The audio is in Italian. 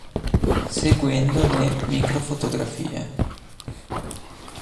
Seguendo le microfotografie.